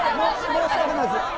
申し訳ないです。